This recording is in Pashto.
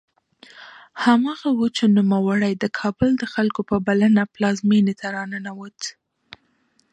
هماغه و چې نوموړی د کابل د خلکو په بلنه پلازمېنې ته راننوت.